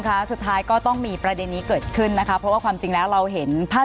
สุดท้ายก็ต้องมีประเด็นนี้เกิดขึ้นนะคะเพราะว่าความจริงแล้วเราเห็นภาพ